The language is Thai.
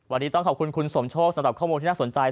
วันนี้ต้องขอบคุณคุณสมโชคสำหรับข้อมูลที่น่าสนใจ